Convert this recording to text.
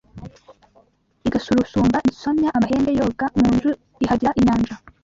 Igasurusumba insomya amahembe Yoga mu nzu ihagira inyanja